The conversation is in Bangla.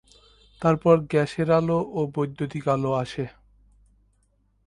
তারপর গ্যাসের আলো ও বৈদ্যুতিক আলো আসে।